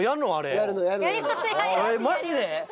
マジで！？